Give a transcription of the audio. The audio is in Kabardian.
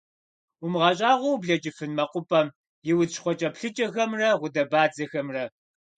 УмыгъэщӀагъуэу ублэкӀыфын мэкъупӀэм и удз щхъуэкӀэплъыкӀэхэмрэ гъудэбадзэхэмрэ!